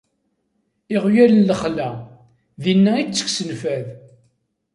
Iɣyal n lexla, dinna i ttekksen fad.